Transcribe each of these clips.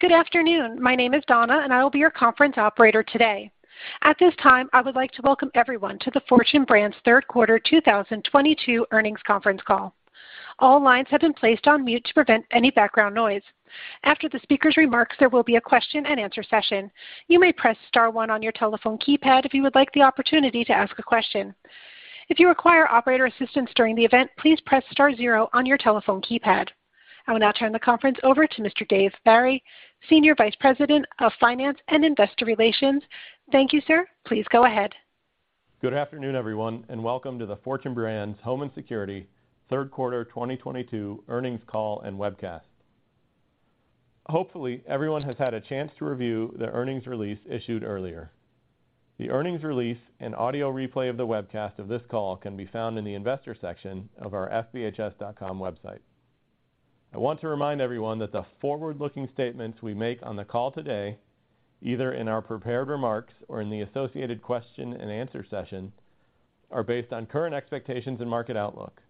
Good afternoon. My name is Donna, and I will be your conference operator today. At this time, I would like to welcome everyone to the Fortune Brands Third Quarter 2022 Earnings Conference Call. All lines have been placed on mute to prevent any background noise. After the speaker's remarks, there will be a question-and-answer session. You may press star one on your telephone keypad if you would like the opportunity to ask a question. If you require operator assistance during the event, please press star zero on your telephone keypad. I will now turn the conference over to Mr. Dave Barry, Senior Vice President of Finance and Investor Relations. Thank you, sir. Please go ahead. Good afternoon, everyone, and welcome to the Fortune Brands Home & Security third quarter 2022 earnings call and webcast. Hopefully, everyone has had a chance to review the earnings release issued earlier. The earnings release and audio replay of the webcast of this call can be found in the investor section of our fbhs.com website. I want to remind everyone that the forward-looking statements we make on the call today, either in our prepared remarks or in the associated question-and-answer session, are based on current expectations and market outlook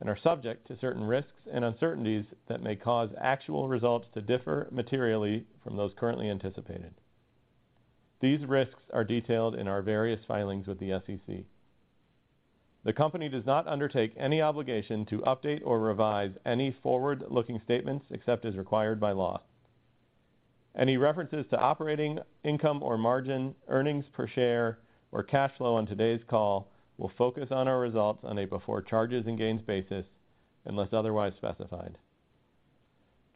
and are subject to certain risks and uncertainties that may cause actual results to differ materially from those currently anticipated. These risks are detailed in our various filings with the SEC. The company does not undertake any obligation to update or revise any forward-looking statements except as required by law. Any references to operating income or margin, earnings per share or cash flow on today's call will focus on our results on a before charges and gains basis unless otherwise specified.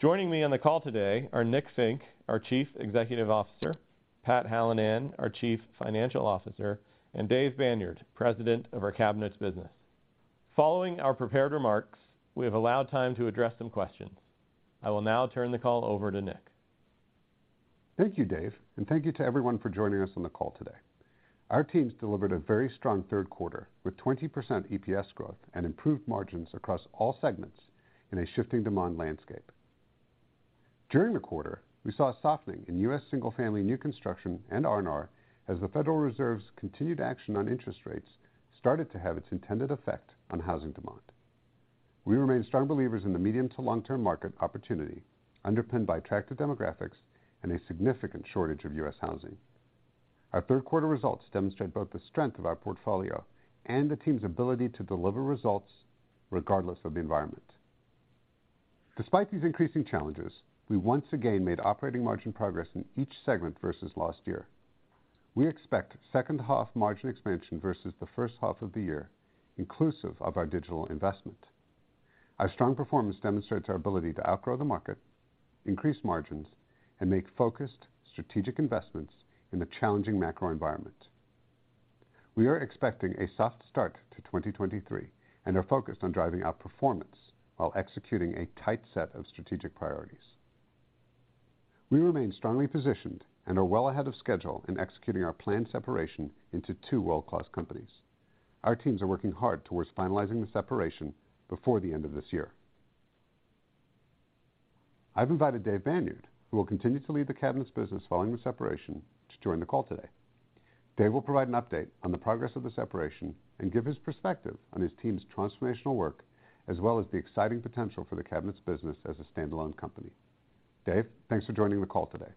Joining me on the call today are Nick Fink, our Chief Executive Officer, Pat Hallinan, our Chief Financial Officer, and Dave Banyard, President of our Cabinets business. Following our prepared remarks, we have allowed time to address some questions. I will now turn the call over to Nick. Thank you, Dave, and thank you to everyone for joining us on the call today. Our teams delivered a very strong third quarter with 20% EPS growth and improved margins across all segments in a shifting demand landscape. During the quarter, we saw a softening in U.S. single-family new construction and R&R as the Federal Reserve's continued action on interest rates started to have its intended effect on housing demand. We remain strong believers in the medium to long-term market opportunity, underpinned by attractive demographics and a significant shortage of U.S. housing. Our third quarter results demonstrate both the strength of our portfolio and the team's ability to deliver results regardless of the environment. Despite these increasing challenges, we once again made operating margin progress in each segment versus last year. We expect second half margin expansion versus the first half of the year, inclusive of our digital investment. Our strong performance demonstrates our ability to outgrow the market, increase margins, and make focused strategic investments in the challenging macro environment. We are expecting a soft start to 2023 and are focused on driving our performance while executing a tight set of strategic priorities. We remain strongly positioned and are well ahead of schedule in executing our planned separation into two world-class companies. Our teams are working hard towards finalizing the separation before the end of this year. I've invited Dave Banyard, who will continue to lead the Cabinets business following the separation, to join the call today. Dave will provide an update on the progress of the separation and give his perspective on his team's transformational work, as well as the exciting potential for the Cabinets business as a standalone company. Dave, thanks for joining the call today.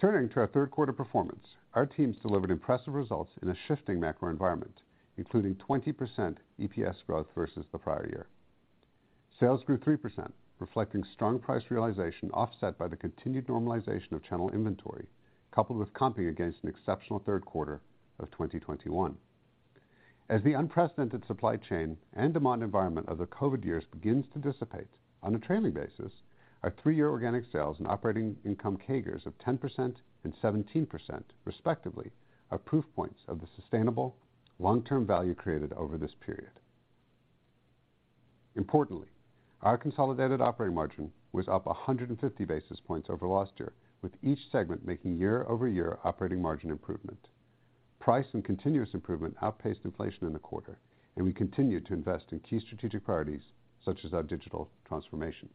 Turning to our third quarter performance, our teams delivered impressive results in a shifting macro environment, including 20% EPS growth versus the prior year. Sales grew 3%, reflecting strong price realization offset by the continued normalization of channel inventory, coupled with comping against an exceptional third quarter of 2021. As the unprecedented supply chain and demand environment of the COVID years begins to dissipate, on a trailing basis, our three year organic sales and operating income CAGRs of 10% and 17% respectively are proof points of the sustainable long-term value created over this period. Importantly, our consolidated operating margin was up 150 basis points over last year, with each segment making year-over-year operating margin improvement. Price and continuous improvement outpaced inflation in the quarter, and we continued to invest in key strategic priorities such as our digital transformation.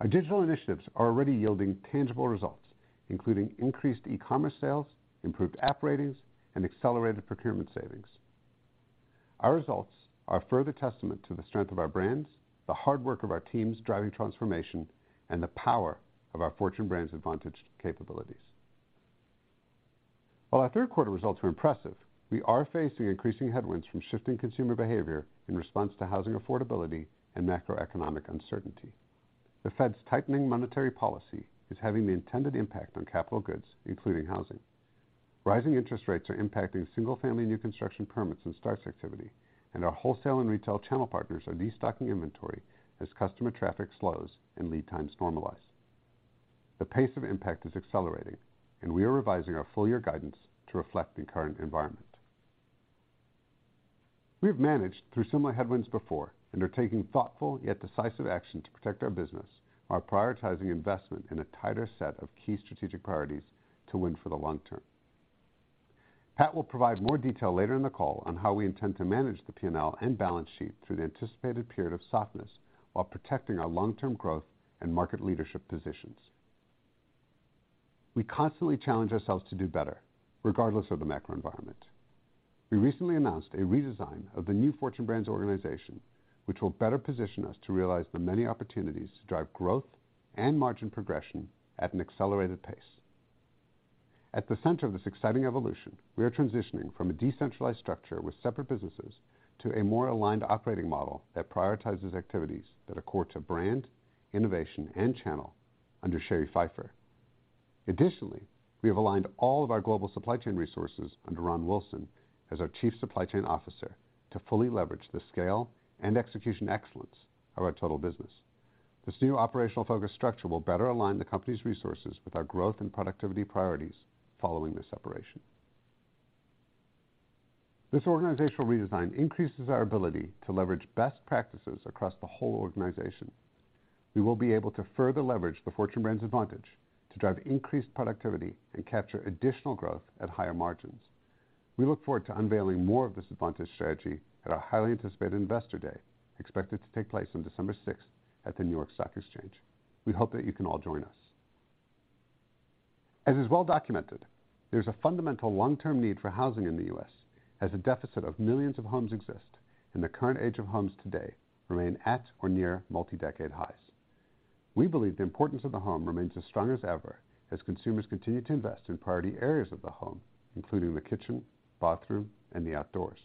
Our digital initiatives are already yielding tangible results, including increased e-commerce sales, improved app ratings, and accelerated procurement savings. Our results are further testament to the strength of our brands, the hard work of our teams driving transformation, and the power of our Fortune Brands Advantage capabilities. While our third quarter results were impressive, we are facing increasing headwinds from shifting consumer behavior in response to housing affordability and macroeconomic uncertainty. The Fed's tightening monetary policy is having the intended impact on capital goods, including housing. Rising interest rates are impacting single-family new construction permits and starts activity, and our wholesale and retail channel partners are destocking inventory as customer traffic slows and lead times normalize. The pace of impact is accelerating, and we are revising our full year guidance to reflect the current environment. We have managed through similar headwinds before and are taking thoughtful yet decisive action to protect our business while prioritizing investment in a tighter set of key strategic priorities to win for the long term. Pat will provide more detail later in the call on how we intend to manage the P&L and balance sheet through the anticipated period of softness while protecting our long-term growth and market leadership positions. We constantly challenge ourselves to do better, regardless of the macro environment. We recently announced a redesign of the new Fortune Brands organization, which will better position us to realize the many opportunities to drive growth and margin progression at an accelerated pace. At the center of this exciting evolution, we are transitioning from a decentralized structure with separate businesses to a more aligned operating model that prioritizes activities that are core to brand, innovation, and channel under Cheri Phyfer. Additionally, we have aligned all of our global supply chain resources under Ron Wilson as our Chief Supply Chain Officer to fully leverage the scale and execution excellence of our total business. This new operational focus structure will better align the company's resources with our growth and productivity priorities following the separation. This organizational redesign increases our ability to leverage best practices across the whole organization. We will be able to further leverage the Fortune Brands Advantage to drive increased productivity and capture additional growth at higher margins. We look forward to unveiling more of this Advantage strategy at our highly anticipated Investor Day, expected to take place on December sixth at the New York Stock Exchange. We hope that you can all join us. As is well documented, there's a fundamental long-term need for housing in the U.S. as a deficit of millions of homes exist and the current age of homes today remain at or near multi-decade highs. We believe the importance of the home remains as strong as ever as consumers continue to invest in priority areas of the home, including the kitchen, bathroom, and the outdoors.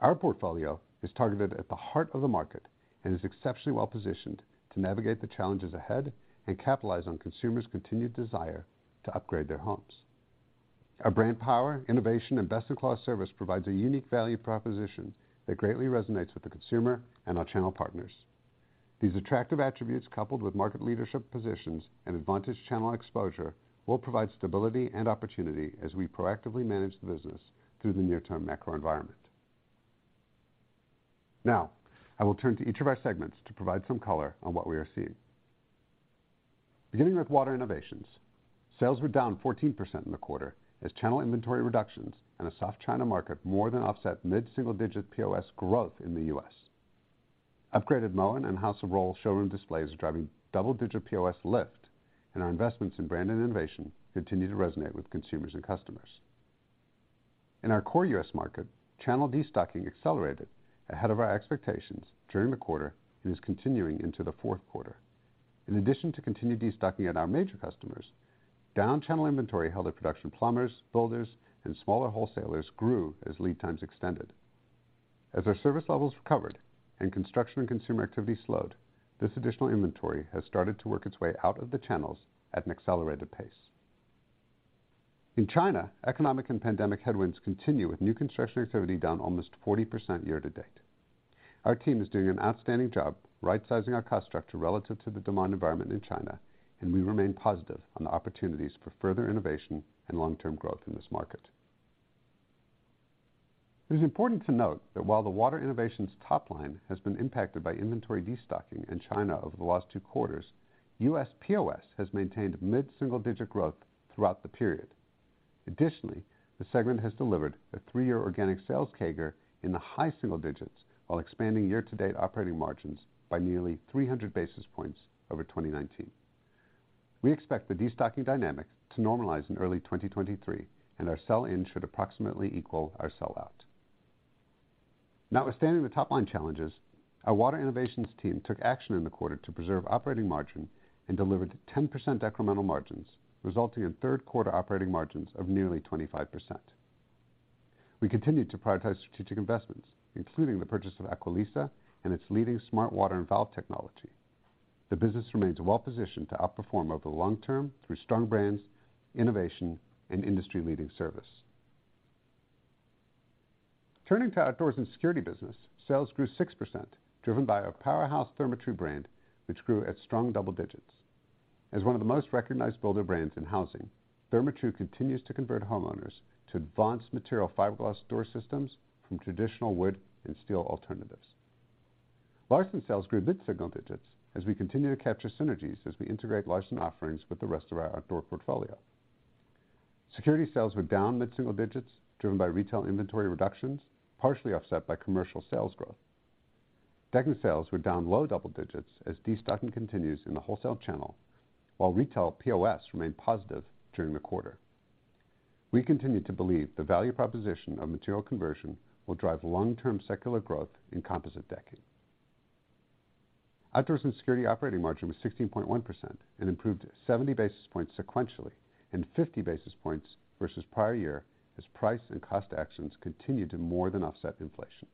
Our portfolio is targeted at the heart of the market and is exceptionally well positioned to navigate the challenges ahead and capitalize on consumers' continued desire to upgrade their homes. Our brand power, innovation, and best-in-class service provides a unique value proposition that greatly resonates with the consumer and our channel partners. These attractive attributes, coupled with market leadership positions and advantage channel exposure, will provide stability and opportunity as we proactively manage the business through the near-term macro environment. Now, I will turn to each of our segments to provide some color on what we are seeing. Beginning with Water Innovations, sales were down 14% in the quarter as channel inventory reductions and a soft China market more than offset mid-single-digit POS growth in the U.S. Upgraded Moen and House of Rohl showroom displays are driving double-digit POS lift, and our investments in brand and innovation continue to resonate with consumers and customers. In our core U.S. market, channel destocking accelerated ahead of our expectations during the quarter and is continuing into the fourth quarter. In addition to continued destocking at our major customers, down channel inventory held at production plumbers, builders, and smaller wholesalers grew as lead times extended. As our service levels recovered and construction and consumer activity slowed, this additional inventory has started to work its way out of the channels at an accelerated pace. In China, economic and pandemic headwinds continue with new construction activity down almost 40% year to date. Our team is doing an outstanding job rightsizing our cost structure relative to the demand environment in China, and we remain positive on the opportunities for further innovation and long-term growth in this market. It is important to note that while the Water Innovations top line has been impacted by inventory destocking in China over the last 2 quarters, U.S. POS has maintained mid-single-digit growth throughout the period. Additionally, the segment has delivered a three year organic sales CAGR in the high single digits while expanding year-to-date operating margins by nearly 300 basis points over 2019. We expect the destocking dynamic to normalize in early 2023, and our sell-in should approximately equal our sell out. Notwithstanding the top-line challenges, our Water Innovations team took action in the quarter to preserve operating margin and delivered 10% incremental margins, resulting in third quarter operating margins of nearly 25%. We continued to prioritize strategic investments, including the purchase of Aqualisa and its leading smart water and valve technology. The business remains well positioned to outperform over the long term through strong brands, innovation, and industry-leading service. Turning to Outdoors & Security business, sales grew 6%, driven by our powerhouse Therma-Tru brand, which grew at strong double digits. As one of the most recognized builder brands in housing, Therma-Tru continues to convert homeowners to advanced material fiberglass door systems from traditional wood and steel alternatives. Larson sales grew mid-single digits as we continue to capture synergies as we integrate Larson offerings with the rest of our outdoor portfolio. Security sales were down mid-single digits, driven by retail inventory reductions, partially offset by commercial sales growth. Decking sales were down low double digits as destocking continues in the wholesale channel, while retail POS remained positive during the quarter. We continue to believe the value proposition of material conversion will drive long-term secular growth in composite decking. Outdoors & Security operating margin was 16.1% and improved 70 basis points sequentially and 50 basis points versus prior year as price and cost actions continued to more than offset inflation.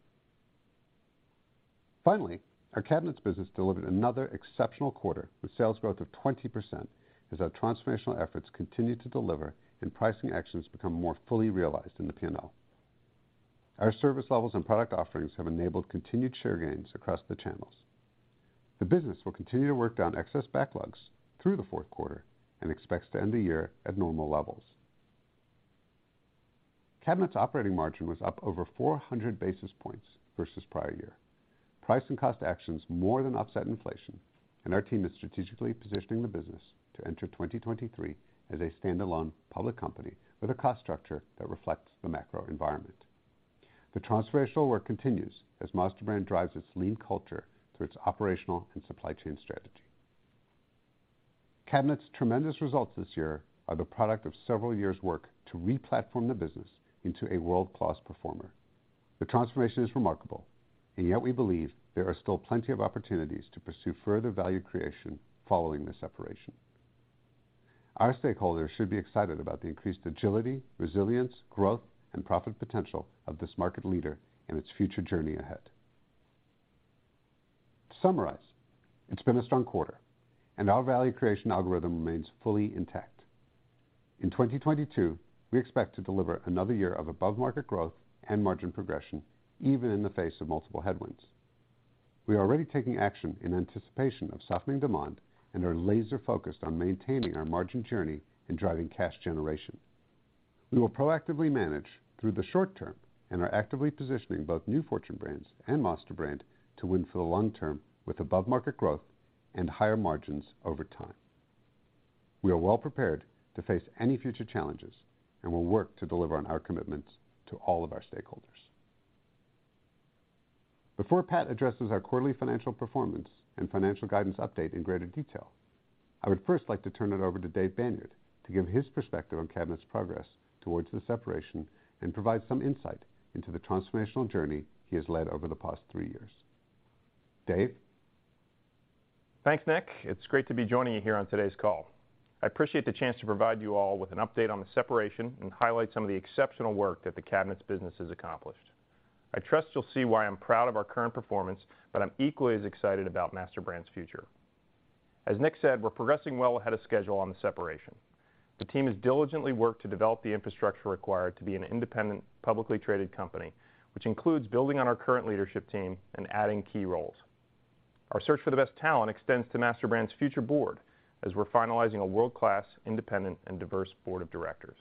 Finally, our Cabinets business delivered another exceptional quarter with sales growth of 20% as our transformational efforts continued to deliver and pricing actions become more fully realized in the P&L. Our service levels and product offerings have enabled continued share gains across the channels. The business will continue to work down excess backlogs through the fourth quarter and expects to end the year at normal levels. Cabinets operating margin was up over 400 basis points versus prior year. Price and cost actions more than offset inflation, and our team is strategically positioning the business to enter 2023 as a standalone public company with a cost structure that reflects the macro environment. The transformational work continues as MasterBrand drives its lean culture through its operational and supply chain strategy. Cabinets' tremendous results this year are the product of several years' work to re-platform the business into a world-class performer. The transformation is remarkable, and yet we believe there are still plenty of opportunities to pursue further value creation following the separation. Our stakeholders should be excited about the increased agility, resilience, growth, and profit potential of this market leader and its future journey ahead. To summarize, it's been a strong quarter, and our value creation algorithm remains fully intact. In 2022, we expect to deliver another year of above-market growth and margin progression, even in the face of multiple headwinds. We are already taking action in anticipation of softening demand and are laser-focused on maintaining our margin journey and driving cash generation. We will proactively manage through the short term and are actively positioning both New Fortune Brands and MasterBrand to win for the long term with above-market growth and higher margins over time. We are well prepared to face any future challenges and will work to deliver on our commitments to all of our stakeholders. Before Pat addresses our quarterly financial performance and financial guidance update in greater detail, I would first like to turn it over to Dave Banyard to give his perspective on Cabinets' progress towards the separation and provide some insight into the transformational journey he has led over the past three years. Dave? Thanks, Nick. It's great to be joining you here on today's call. I appreciate the chance to provide you all with an update on the separation and highlight some of the exceptional work that the cabinets business has accomplished. I trust you'll see why I'm proud of our current performance, but I'm equally as excited about MasterBrand's future. As Nick said, we're progressing well ahead of schedule on the separation. The team has diligently worked to develop the infrastructure required to be an independent, publicly traded company, which includes building on our current leadership team and adding key roles. Our search for the best talent extends to MasterBrand's future board, as we're finalizing a world-class, independent, and diverse board of directors.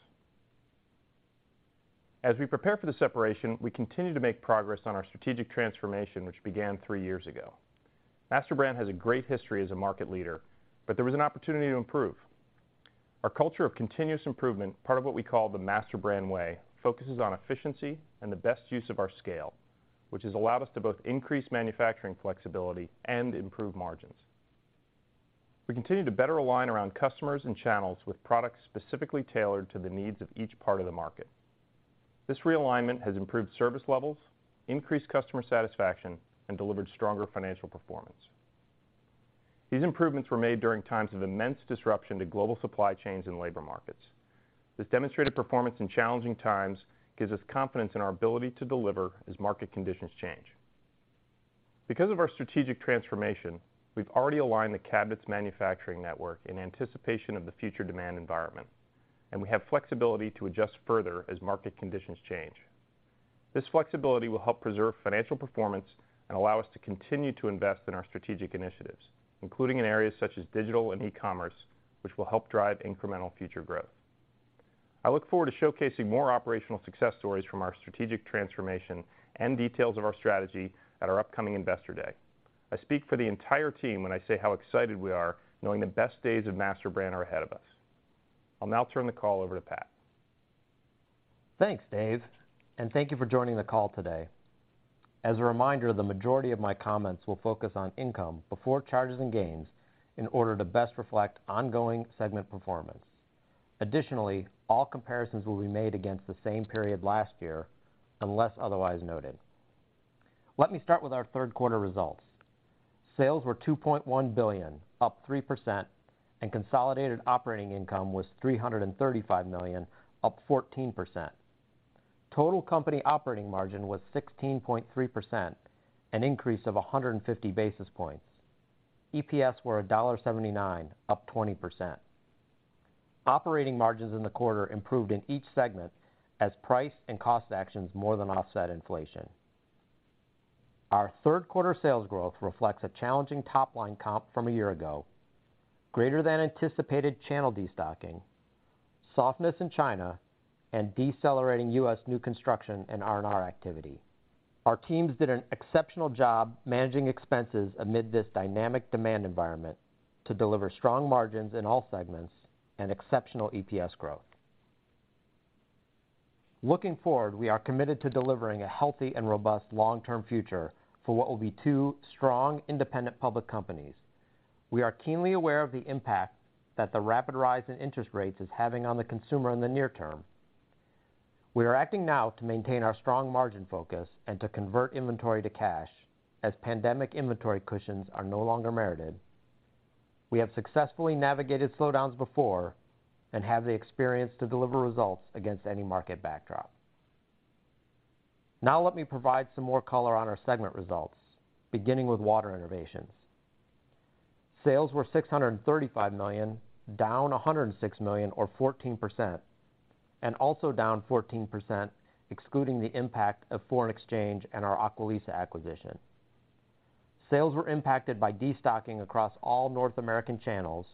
As we prepare for the separation, we continue to make progress on our strategic transformation which began three years ago. MasterBrand has a great history as a market leader, but there was an opportunity to improve. Our culture of continuous improvement, part of what we call the MasterBrand Way, focuses on efficiency and the best use of our scale, which has allowed us to both increase manufacturing flexibility and improve margins. We continue to better align around customers and channels with products specifically tailored to the needs of each part of the market. This realignment has improved service levels, increased customer satisfaction, and delivered stronger financial performance. These improvements were made during times of immense disruption to global supply chains and labor markets. This demonstrated performance in challenging times gives us confidence in our ability to deliver as market conditions change. Because of our strategic transformation, we've already aligned the cabinets manufacturing network in anticipation of the future demand environment, and we have flexibility to adjust further as market conditions change. This flexibility will help preserve financial performance and allow us to continue to invest in our strategic initiatives, including in areas such as digital and e-commerce, which will help drive incremental future growth. I look forward to showcasing more operational success stories from our strategic transformation and details of our strategy at our upcoming Investor Day. I speak for the entire team when I say how excited we are knowing the best days of MasterBrand are ahead of us. I'll now turn the call over to Pat. Thanks, Dave, and thank you for joining the call today. As a reminder, the majority of my comments will focus on income before charges and gains in order to best reflect ongoing segment performance. Additionally, all comparisons will be made against the same period last year, unless otherwise noted. Let me start with our third quarter results. Sales were $2.1 billion, up 3%, and consolidated operating income was $335 million, up 14%. Total company operating margin was 16.3%, an increase of 150 basis points. EPS were $1.79, up 20%. Operating margins in the quarter improved in each segment as price and cost actions more than offset inflation. Our third quarter sales growth reflects a challenging top-line comp from a year ago, greater than anticipated channel destocking, softness in China, and decelerating U.S. new construction and R&R activity. Our teams did an exceptional job managing expenses amid this dynamic demand environment to deliver strong margins in all segments and exceptional EPS growth. Looking forward, we are committed to delivering a healthy and robust long-term future for what will be two strong, independent public companies. We are keenly aware of the impact that the rapid rise in interest rates is having on the consumer in the near term. We are acting now to maintain our strong margin focus and to convert inventory to cash, as pandemic inventory cushions are no longer merited. We have successfully navigated slowdowns before and have the experience to deliver results against any market backdrop. Now let me provide some more color on our segment results, beginning with Water Innovations. Sales were $635 million, down $106 million or 14%, and also down 14% excluding the impact of foreign exchange and our Aqualisa acquisition. Sales were impacted by destocking across all North American channels,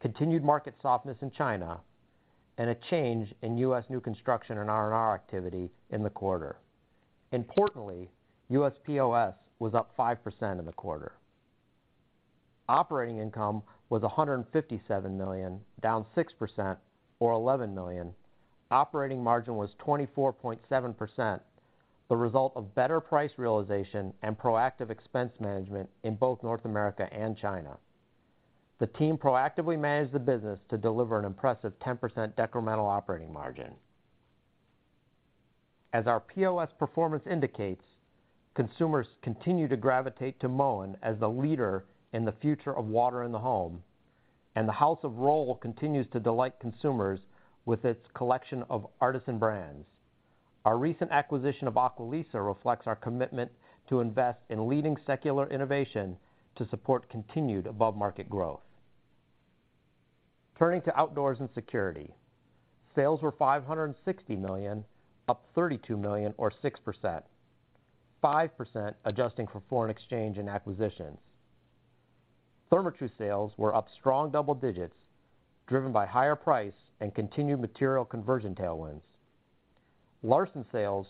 continued market softness in China, and a change in U.S. new construction and R&R activity in the quarter. Importantly, U.S. POS was up 5% in the quarter. Operating income was $157 million, down 6% or $11 million. Operating margin was 24.7%, the result of better price realization and proactive expense management in both North America and China. The team proactively managed the business to deliver an impressive 10% decremental operating margin. As our POS performance indicates, consumers continue to gravitate to Moen as the leader in the future of water in the home, and the House of Rohl continues to delight consumers with its collection of artisan brands. Our recent acquisition of Aqualisa reflects our commitment to invest in leading secular innovation to support continued above-market growth. Turning to Outdoors and Security. Sales were $560 million, up $32 million or 6%, 5% adjusting for foreign exchange and acquisitions. Therma-Tru sales were up strong double digits, driven by higher price and continued material conversion tailwinds. Larson sales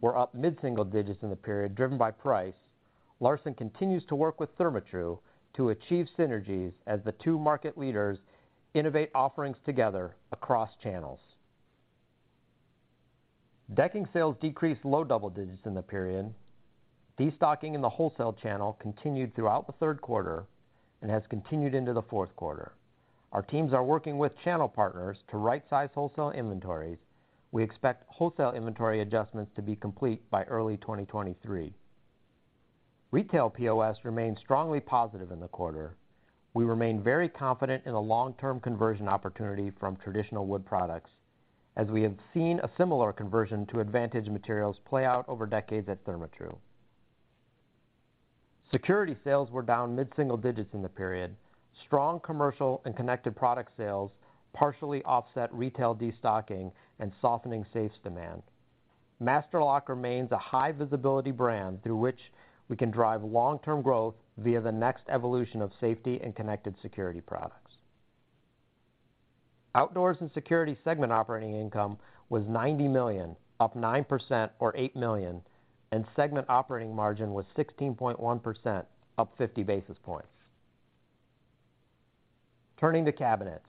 were up mid-single digits in the period, driven by price. Larson continues to work with Therma-Tru to achieve synergies as the two market leaders innovate offerings together across channels. Decking sales decreased low double digits in the period. Destocking in the wholesale channel continued throughout the third quarter and has continued into the fourth quarter. Our teams are working with channel partners to right-size wholesale inventories. We expect wholesale inventory adjustments to be complete by early 2023. Retail POS remained strongly positive in the quarter. We remain very confident in the long-term conversion opportunity from traditional wood products, as we have seen a similar conversion to Advantage materials play out over decades at Therma-Tru. Security sales were down mid-single digits in the period. Strong commercial and connected product sales partially offset retail destocking and softening safes demand. Master Lock remains a high-visibility brand through which we can drive long-term growth via the next evolution of safety and connected security products. Outdoors & Security segment operating income was $90 million, up 9% or $8 million, and segment operating margin was 16.1%, up 50 basis points. Turning to Cabinets.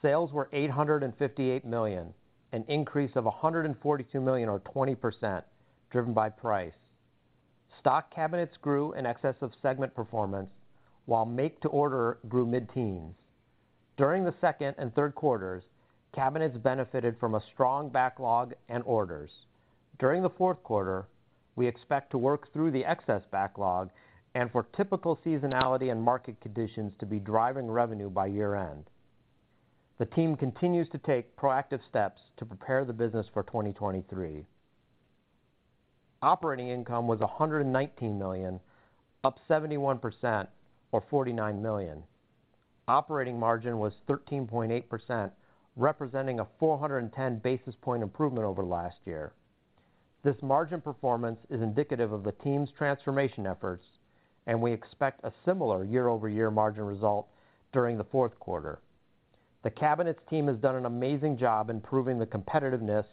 Sales were $858 million, an increase of $142 million or 20%, driven by price. Stock Cabinets grew in excess of segment performance, while make to order grew mid-teens. During the second and third quarters, Cabinets benefited from a strong backlog and orders. During the fourth quarter, we expect to work through the excess backlog and for typical seasonality and market conditions to be driving revenue by year-end. The team continues to take proactive steps to prepare the business for 2023. Operating income was $119 million, up 71% or $49 million. Operating margin was 13.8%, representing a 410 basis point improvement over last year. This margin performance is indicative of the team's transformation efforts, and we expect a similar year-over-year margin result during the fourth quarter. The Cabinets team has done an amazing job improving the competitiveness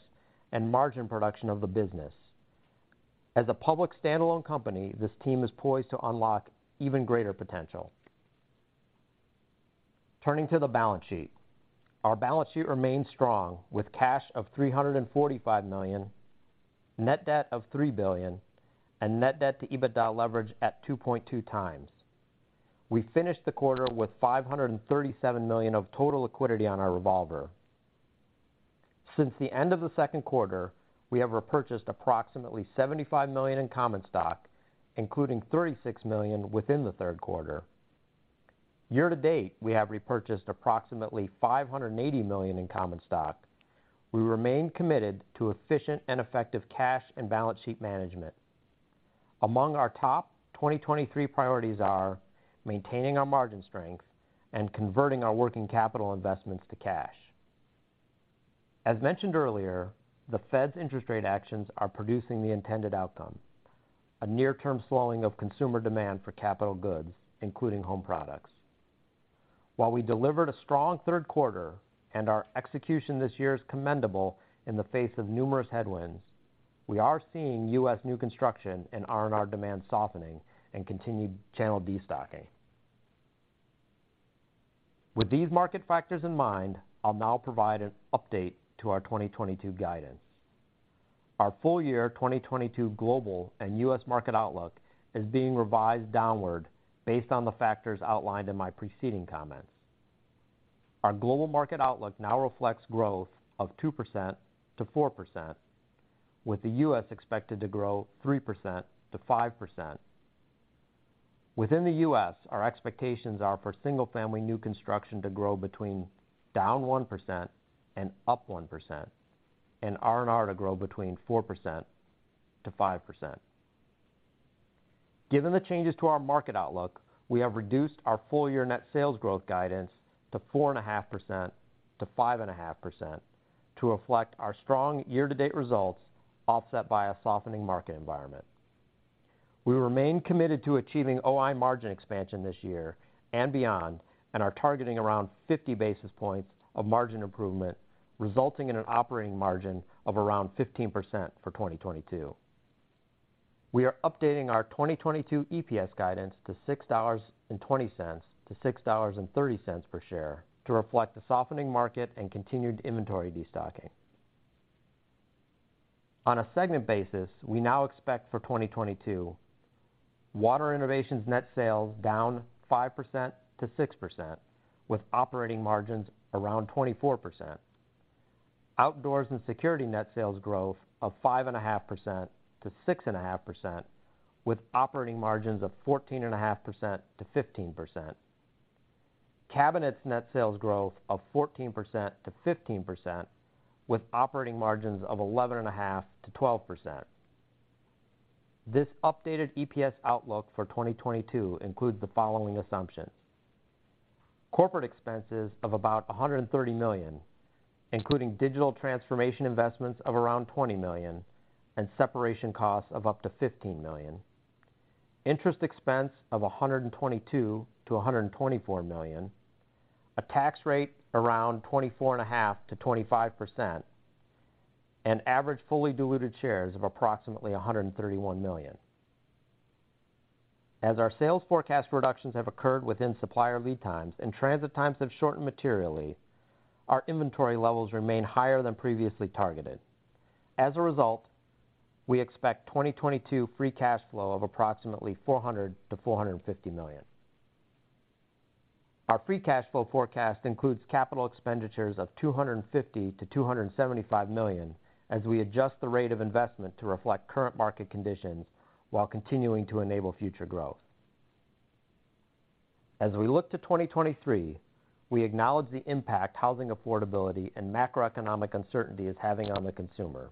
and margin production of the business. As a public standalone company, this team is poised to unlock even greater potential. Turning to the balance sheet. Our balance sheet remains strong with cash of $345 million, net debt of $3 billion, and net debt to EBITDA leverage at 2.2x. We finished the quarter with $537 million of total liquidity on our revolver. Since the end of the second quarter, we have repurchased approximately $75 million in common stock, including $36 million within the third quarter. Year to date, we have repurchased approximately $580 million in common stock. We remain committed to efficient and effective cash and balance sheet management. Among our top 2023 priorities are maintaining our margin strength and converting our working capital investments to cash. As mentioned earlier, the Fed's interest rate actions are producing the intended outcome, a near-term slowing of consumer demand for capital goods, including home products. While we delivered a strong third quarter and our execution this year is commendable in the face of numerous headwinds, we are seeing U.S. new construction and R&R demand softening and continued channel destocking. With these market factors in mind, I'll now provide an update to our 2022 guidance. Our full-year 2022 global and U.S. market outlook is being revised downward based on the factors outlined in my preceding comments. Our global market outlook now reflects growth of 2%-4%, with the U.S. expected to grow 3%-5%. Within the U.S., our expectations are for single-family new construction to grow between down 1% and up 1%, and R&R to grow between 4% to 5%. Given the changes to our market outlook, we have reduced our full year net sales growth guidance to 4.5%-5.5% to reflect our strong year-to-date results offset by a softening market environment. We remain committed to achieving OI margin expansion this year and beyond, and are targeting around 50 basis points of margin improvement, resulting in an operating margin of around 15% for 2022. We are updating our 2022 EPS guidance to $6.20-$6.30 per share to reflect the softening market and continued inventory destocking. On a segment basis, we now expect for 2022, Water Innovations net sales down 5%-6% with operating margins around 24%. Outdoors and Security net sales growth of 5.5%-6.5% with operating margins of 14.5%-15%. Cabinets net sales growth of 14%-15% with operating margins of 11.5%-12%. This updated EPS outlook for 2022 includes the following assumptions. Corporate expenses of about $130 million, including digital transformation investments of around $20 million and separation costs of up to $15 million. Interest expense of $122 million-$124 million. A tax rate around 24.5%-25%. Average fully diluted shares of approximately 131 million. As our sales forecast reductions have occurred within supplier lead times and transit times have shortened materially, our inventory levels remain higher than previously targeted. As a result, we expect 2022 free cash flow of approximately $400 million-$450 million. Our free cash flow forecast includes capital expenditures of $250 million-$275 million as we adjust the rate of investment to reflect current market conditions while continuing to enable future growth. As we look to 2023, we acknowledge the impact housing affordability and macroeconomic uncertainty is having on the consumer.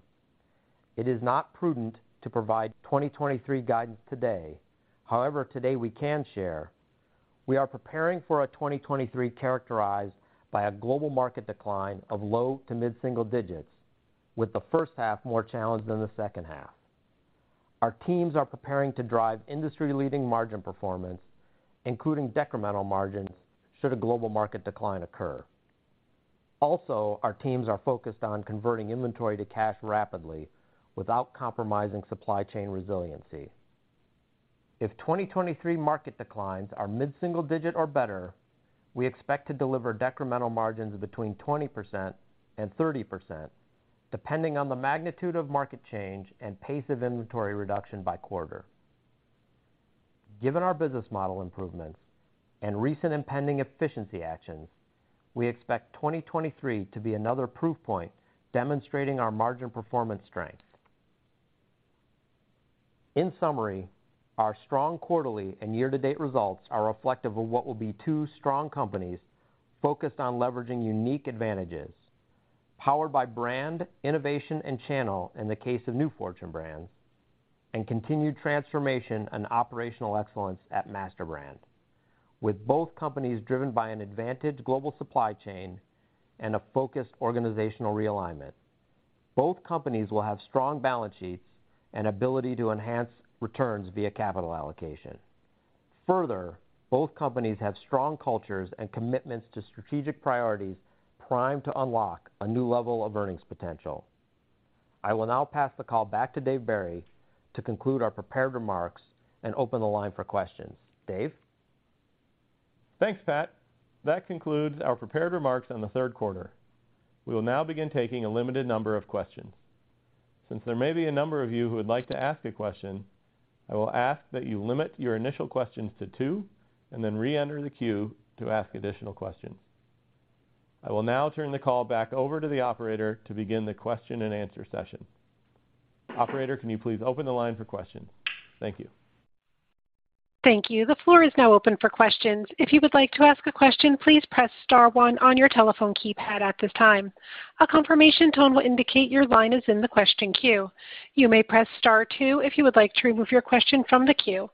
It is not prudent to provide 2023 guidance today. However, today we can share, we are preparing for a 2023 characterized by a global market decline of low to mid-single digits, with the first half more challenged than the second half. Our teams are preparing to drive industry-leading margin performance, including decremental margins should a global market decline occur. Also, our teams are focused on converting inventory to cash rapidly without compromising supply chain resiliency. If 2023 market declines are mid-single digit or better, we expect to deliver decremental margins of between 20% and 30%, depending on the magnitude of market change and pace of inventory reduction by quarter. Given our business model improvements and recent impending efficiency actions, we expect 2023 to be another proof point demonstrating our margin performance strength. In summary, our strong quarterly and year-to-date results are reflective of what will be two strong companies focused on leveraging unique advantages, powered by brand, innovation, and channel in the case of Fortune Brands Innovations, and continued transformation and operational excellence at MasterBrand, with both companies driven by an advantaged global supply chain and a focused organizational realignment. Both companies will have strong balance sheets and ability to enhance returns via capital allocation. Further, both companies have strong cultures and commitments to strategic priorities primed to unlock a new level of earnings potential. I will now pass the call back to Dave Barry to conclude our prepared remarks and open the line for questions. Dave? Thanks, Pat. That concludes our prepared remarks on the third quarter. We will now begin taking a limited number of questions. Since there may be a number of you who would like to ask a question, I will ask that you limit your initial questions to two and then reenter the queue to ask additional questions. I will now turn the call back over to the operator to begin the question and answer session. Operator, can you please open the line for questions? Thank you. Thank you. The floor is now open for questions. If you would like to ask a question, please press star one on your telephone keypad at this time. A confirmation tone will indicate your line is in the question queue. You may press star two if you would like to remove your question from the queue.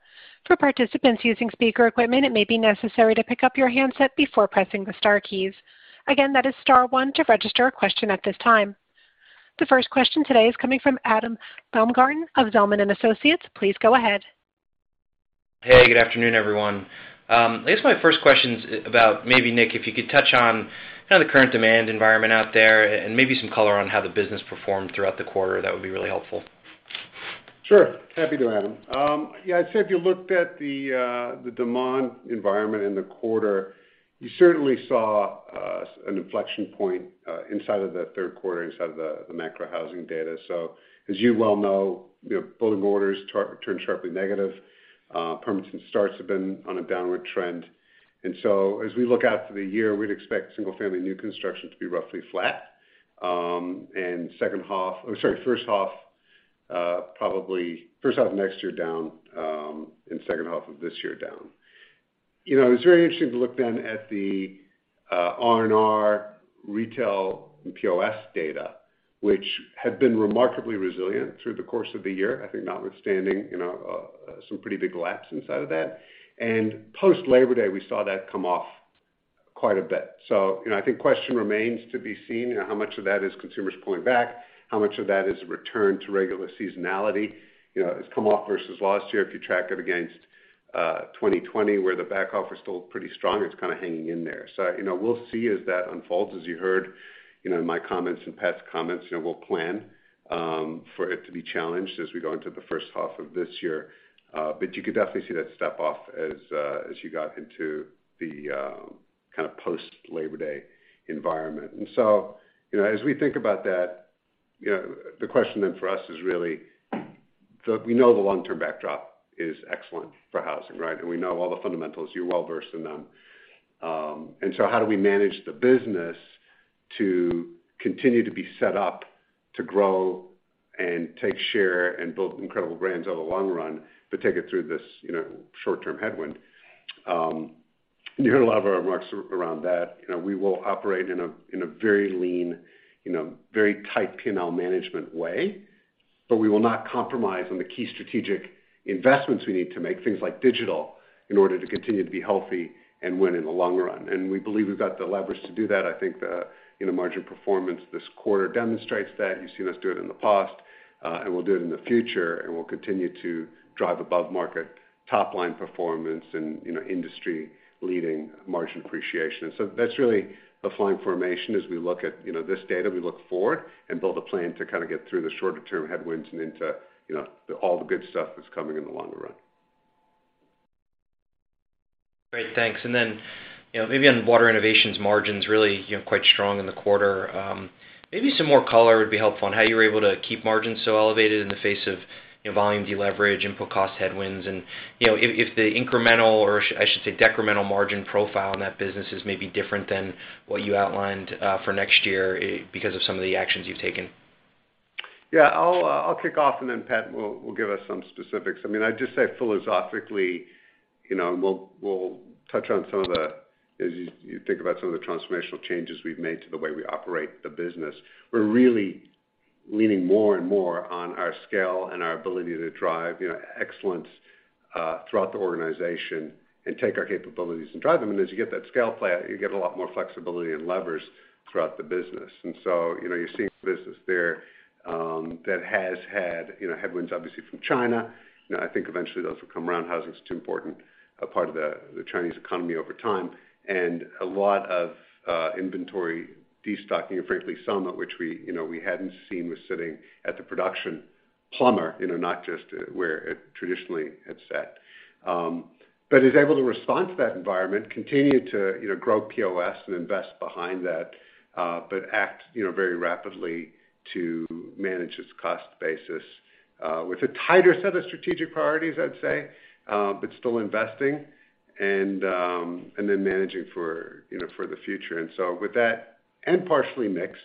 For participants using speaker equipment, it may be necessary to pick up your handset before pressing the star keys. Again, that is star one to register a question at this time. The first question today is coming from Adam Baumgarten of Zelman & Associates. Please go ahead. Hey, good afternoon, everyone. I guess my first question is about maybe, Nick, if you could touch on, you know, the current demand environment out there and maybe some color on how the business performed throughout the quarter, that would be really helpful. Sure. Happy to, Adam. I'd say if you looked at the demand environment in the quarter, you certainly saw an inflection point inside of the third quarter, inside of the macro housing data. As you well know, building orders turned sharply negative. Permits and starts have been on a downward trend. As we look out to the year, we'd expect single-family new construction to be roughly flat. First half of next year down, and second half of this year down. It was very interesting to look then at the R&R retail and POS data, which had been remarkably resilient through the course of the year. I think notwithstanding some pretty big laps inside of that. Post Labor Day, we saw that come off quite a bit. You know, I think question remains to be seen, you know, how much of that is consumers pulling back, how much of that is a return to regular seasonality, you know, has come off versus last year if you track it against 2020, where the back half is still pretty strong, it's kind of hanging in there. You know, we'll see as that unfolds. As you heard, you know, in my comments and Pat's comments, you know, we'll plan for it to be challenged as we go into the first half of this year. You could definitely see that step off as you got into the kind of post-Labor Day environment. You know, as we think about that, you know, the question then for us is really, so we know the long-term backdrop is excellent for housing, right? We know all the fundamentals. You're well-versed in them. How do we manage the business to continue to be set up to grow and take share and build incredible brands over the long run, but take it through this, you know, short-term headwind? You heard a lot of our remarks around that. You know, we will operate in a very lean, you know, very tight P&L management way, but we will not compromise on the key strategic investments we need to make, things like digital, in order to continue to be healthy and win in the long run. We believe we've got the levers to do that. I think the, you know, margin performance this quarter demonstrates that. You've seen us do it in the past, and we'll do it in the future, and we'll continue to drive above-market top-line performance and, you know, industry-leading margin appreciation. That's really a flying formation as we look at, you know, this data. We look forward and build a plan to kind of get through the shorter-term headwinds and into, you know, all the good stuff that's coming in the longer run. Great. Thanks. Then, you know, maybe on Water Innovations margins really, you know, quite strong in the quarter. Maybe some more color would be helpful on how you were able to keep margins so elevated in the face of, you know, volume deleverage, input cost headwinds, and, you know, if the incremental, or I should say, decremental margin profile in that business is maybe different than what you outlined, for next year, because of some of the actions you've taken. Yeah. I'll kick off and then Pat will give us some specifics. I mean, I'd just say philosophically, we'll touch on as you think about some of the transformational changes we've made to the way we operate the business. We're really leaning more and more on our scale and our ability to drive excellence throughout the organization and take our capabilities and drive them. As you get that scale play, you get a lot more flexibility and levers throughout the business. You're seeing business there that has had headwinds obviously from China. I think eventually those will come around. Housing's too important a part of the Chinese economy over time. A lot of inventory destocking, and frankly, some of which we, you know, we hadn't seen was sitting at the professional plumber, you know, not just where it traditionally had sat. It is able to respond to that environment, continue to, you know, grow POS and invest behind that, but act, you know, very rapidly to manage its cost basis, with a tighter set of strategic priorities, I'd say, but still investing and then managing for, you know, for the future. With that and partial mix,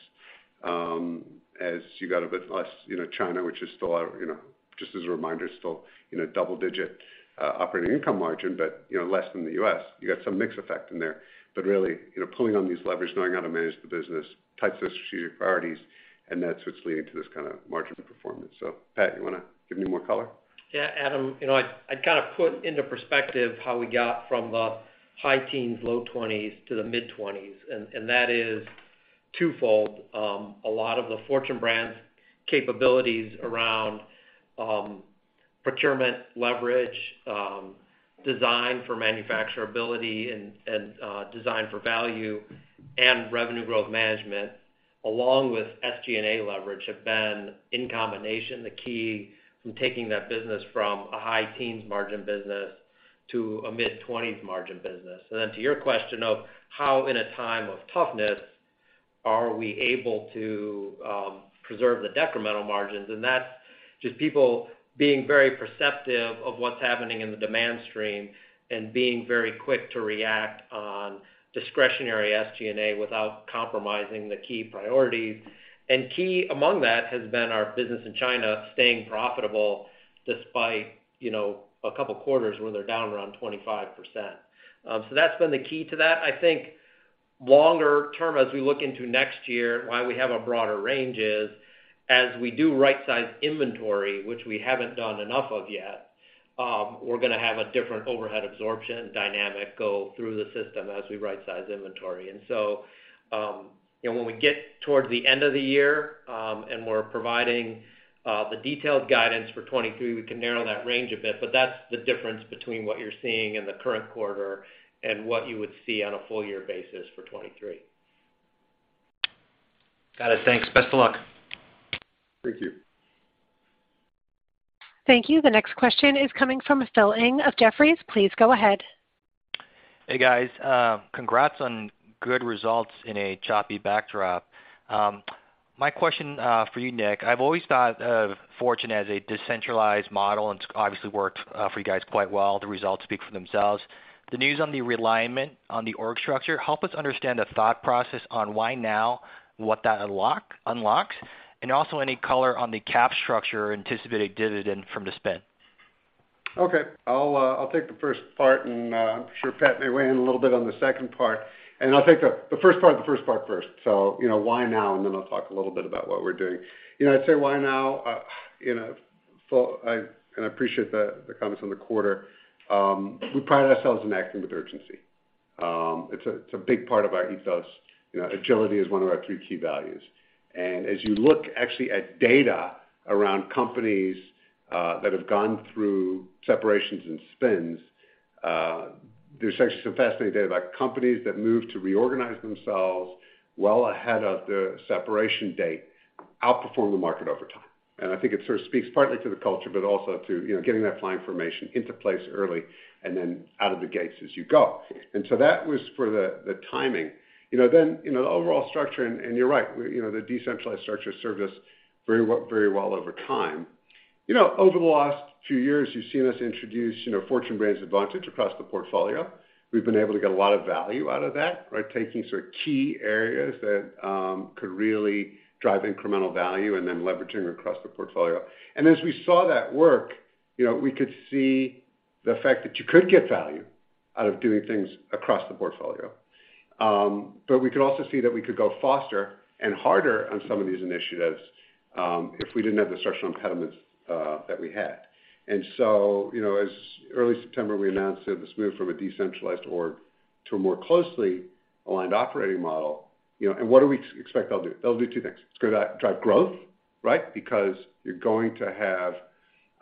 as you got a bit less, you know, China, which is still, you know, just as a reminder, still in a double-digit operating income margin, but, you know, less than the U.S., you got some mix effect in there. Really, you know, pulling on these levers, knowing how to manage the business, types of strategic priorities, and that's what's leading to this kind of margin performance. Pat, you wanna give any more color? Yeah. Adam, you know, I'd kind of put into perspective how we got from the high teens, low twenties to the mid-twenties, and that is twofold. A lot of the Fortune Brands capabilities around procurement leverage, design for manufacturability and design for value and revenue growth management, along with SG&A leverage have been, in combination, the key from taking that business from a high teens margin business to a mid-20s margin business. To your question of how, in a time of toughness, are we able to preserve the decremental margins? That's just people being very perceptive of what's happening in the demand stream and being very quick to react on discretionary SG&A without compromising the key priorities. Key among that has been our business in China staying profitable despite, you know, a couple quarters where they're down around 25%. That's been the key to that. I think longer term, as we look into next year, why we have a broader range is as we do rightsize inventory, which we haven't done enough of yet, we're gonna have a different overhead absorption dynamic go through the system as we rightsize inventory. You know, when we get towards the end of the year, and we're providing the detailed guidance for 2023, we can narrow that range a bit, but that's the difference between what you're seeing in the current quarter and what you would see on a full year basis for 2023. Got it. Thanks. Best of luck. Thank you. Thank you. The next question is coming from Philip Ng of Jefferies. Please go ahead. Hey, guys. Congrats on good results in a choppy backdrop. My question for you, Nick. I've always thought of Fortune as a decentralized model, and it's obviously worked for you guys quite well. The results speak for themselves. The news on the realignment on the org structure. Help us understand the thought process on why now, what that unlocks, and also any color on the cap structure or anticipated dividend from the spin. Okay. I'll take the first part, and I'm sure Pat may weigh in a little bit on the second part. I'll take the first part first. You know, why now? Then I'll talk a little bit about what we're doing. You know, I'd say why now? I appreciate the comments on the quarter. We pride ourselves in acting with urgency. It's a big part of our ethos. You know, agility is one of our three key values. As you look actually at data around companies that have gone through separations and spins, there's actually some fascinating data about companies that move to reorganize themselves well ahead of the separation date, outperform the market over time. I think it sort of speaks partly to the culture, but also to, you know, getting that flying formation into place early and then out of the gates as you go. That was for the timing. You know, then the overall structure, and you're right, you know, the decentralized structure served us very well over time. You know, over the last few years, you've seen us introduce, you know, Fortune Brands Advantage across the portfolio. We've been able to get a lot of value out of that, right? Taking sort of key areas that could really drive incremental value and then leveraging across the portfolio. As we saw that work, you know, we could see the fact that you could get value out of doing things across the portfolio. We could also see that we could go faster and harder on some of these initiatives, if we didn't have the structural impediments that we had. You know, as early September, we announced this move from a decentralized org to a more closely aligned operating model. You know, what do we expect that'll do? That'll do two things. It's gonna drive growth, right? Because you're going to have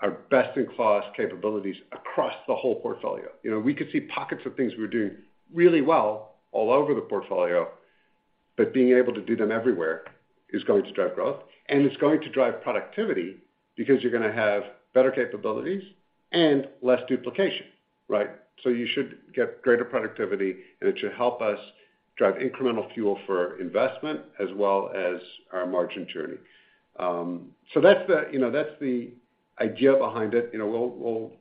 our best-in-class capabilities across the whole portfolio. You know, we could see pockets of things we were doing really well all over the portfolio, but being able to do them everywhere is going to drive growth, and it's going to drive productivity because you're gonna have better capabilities and less duplication, right? You should get greater productivity, and it should help us drive incremental fuel for investment as well as our margin journey. So that's the, you know, that's the idea behind it. You know, we'll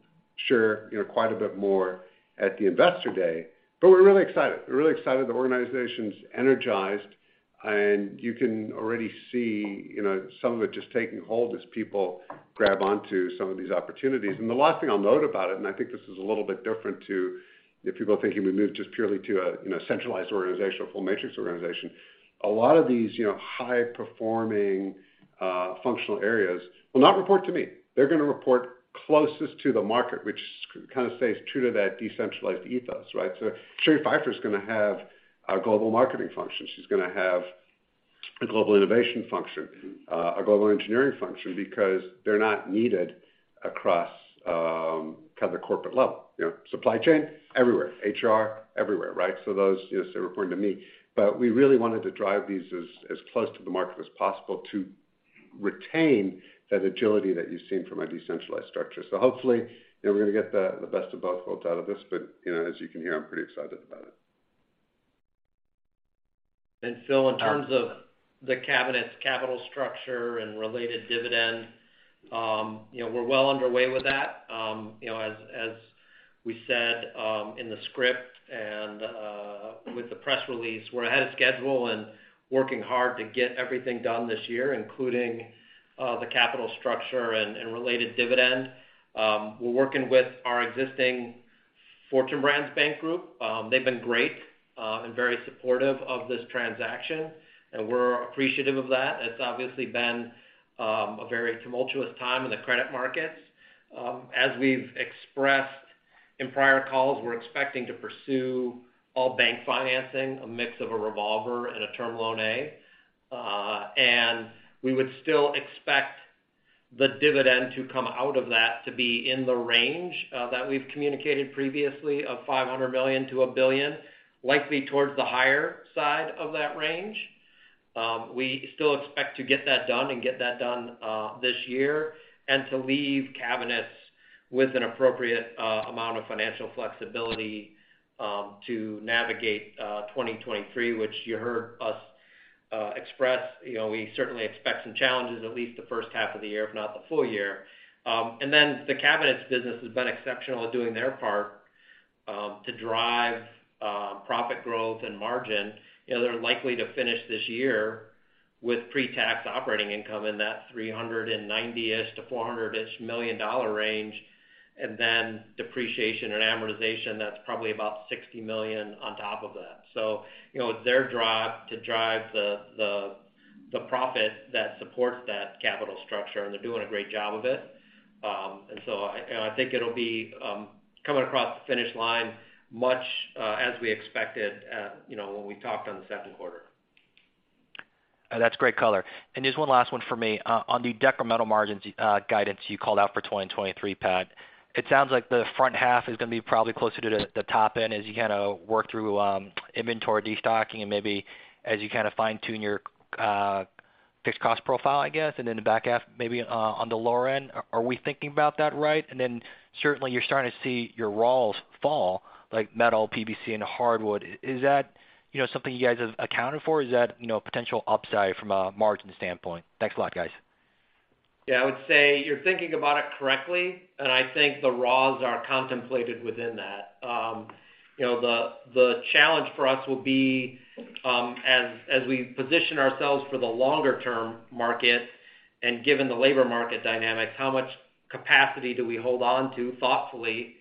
share, you know, quite a bit more at the Investor Day, but we're really excited. The organization's energized, and you can already see, you know, some of it just taking hold as people grab onto some of these opportunities. The last thing I'll note about it, and I think this is a little bit different to if people are thinking we moved just purely to a, you know, centralized organization or full matrix organization. A lot of these, you know, high-performing functional areas will not report to me. They're gonna report closest to the market, which kind of stays true to that decentralized ethos, right? So Cheri Phyfer is gonna have a global marketing function. She's gonna have a global innovation function, a global engineering function because they're needed across, kind of the corporate level. You know, supply chain, everywhere. HR, everywhere, right? Those, you know, still reporting to me. We really wanted to drive these as close to the market as possible to retain that agility that you've seen from a decentralized structure. Hopefully, you know, we're gonna get the best of both worlds out of this. You know, as you can hear, I'm pretty excited about it. Philip Ng, in terms of the cabinets' capital structure and related dividend, you know, we're well underway with that. You know, as we said in the script and with the press release, we're ahead of schedule and working hard to get everything done this year, including the capital structure and related dividend. We're working with our existing Fortune Brands bank group. They've been great and very supportive of this transaction, and we're appreciative of that. It's obviously been a very tumultuous time in the credit markets. As we've expressed in prior calls, we're expecting to pursue all bank financing, a mix of a revolver and a Term Loan A. We would still expect the dividend to come out of that to be in the range that we've communicated previously of $500 million-$1 billion, likely towards the higher side of that range. We still expect to get that done this year, and to leave Cabinets with an appropriate amount of financial flexibility to navigate 2023, which you heard us express. You know, we certainly expect some challenges, at least the first half of the year, if not the full year. The Cabinets business has been exceptional at doing their part to drive profit growth and margin. You know, they're likely to finish this year with pre-tax operating income in that $390 million-$400 million dollar range. Depreciation and amortization, that's probably about $60 million on top of that. You know, it's their job to drive the profit that supports that capital structure, and they're doing a great job of it. I think it'll be coming across the finish line much as we expected, you know, when we talked on the second quarter. That's great color. Just one last one for me. On the decremental margins, guidance you called out for 2023, Pat, it sounds like the front half is gonna be probably closer to the top end as you kinda work through, inventory destocking and maybe as you kinda fine-tune your, fixed cost profile, I guess. Then the back half, maybe, on the lower end. Are we thinking about that right? Then certainly you're starting to see your raws fall, like metal, PVC, and hardwood. Is that, you know, something you guys have accounted for? Is that, you know, a potential upside from a margin standpoint? Thanks a lot, guys. Yeah. I would say you're thinking about it correctly, and I think the raws are contemplated within that. You know, the challenge for us will be, as we position ourselves for the longer term market and given the labor market dynamics, how much capacity do we hold on to thoughtfully, and